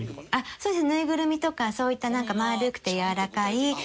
そうです。